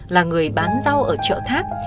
là người bán rau ở chợ thác